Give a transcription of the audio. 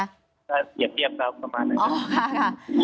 เปรียบเที่ยวครับประมาณนั้นครับ